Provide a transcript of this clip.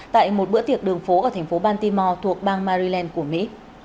tại một bữa tiệc đường phố ở thành phố bantimo thuộc bang maryland của mỹ